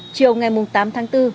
chiều ngày tám tháng bốn